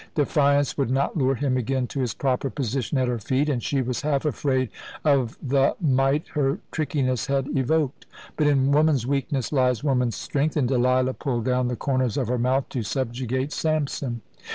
Defiance would not lure him again to his proper position at her feet; and she was half afraid of the might her trickiness had evoked. But in woman's weakness lies woman's strength, and Delilah pulled down the corners of her mouth to subjugate Samson.